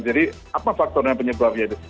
jadi apa faktornya penyebabnya itu